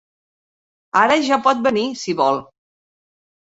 Ara ja pot venir, si vol.